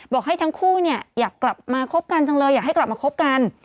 บอกให้ทั้งคู่เนี่ยอยากกลับมาคบกันจังเลยอยากให้กลับมาคบกัน